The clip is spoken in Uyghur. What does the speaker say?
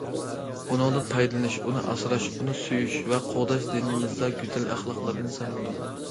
ئۇنىڭدىن پايدىلىنىش، ئۇنى ئاسراش، ئۇنى سۆيۈش ۋە قوغداش دىنىمىزدا گۈزەل ئەخلاقلاردىن سانىلىدۇ.